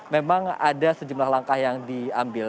memang ada sejumlah langkah yang diambil